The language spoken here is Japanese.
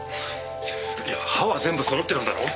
歯は全部そろってるんだろ？